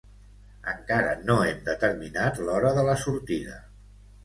Encara no hem determinat l'hora de la sortida.